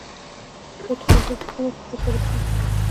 فتوسنتیز په کوم وخت کې ترسره کیږي